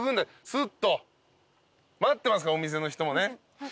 待ってますからお店の人もね。